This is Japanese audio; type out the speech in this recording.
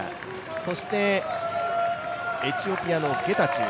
そして、エチオピアのゲタチョウ。